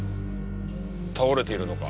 倒れているのか？